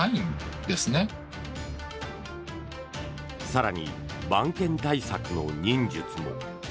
更に、番犬対策の忍術も。